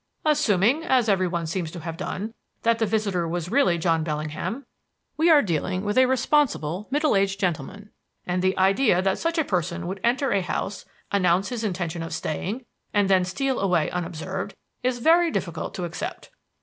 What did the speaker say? "Assuming as every one seems to have done that the visitor was really John Bellingham, we are dealing with a responsible, middle aged gentleman, and the idea that such a person would enter a house, announce his intention of staying, and then steal away unobserved is very difficult to accept.